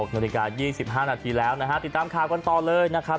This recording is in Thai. ๖น๒๕นแล้วติดตามข่าวงั้นต่อเลยนะครับ